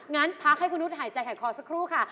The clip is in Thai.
งั้นพักให้คุณนุษย์หายใจหายคอสักครู่ค่ะ